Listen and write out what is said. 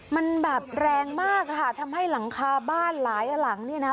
มันแบบแรงมากค่ะทำให้หลังคาบ้านหลายหลังเนี่ยนะ